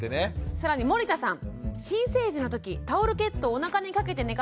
更に森田さん。